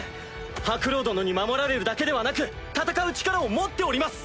ハクロウ殿に守られるだけではなく戦う力を持っております！